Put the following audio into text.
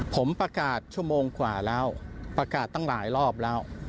ผมประกาศชั่วโมงกว่าแล้วประกาศตั้งหลายรอบแล้ว